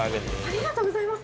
ありがとうございます。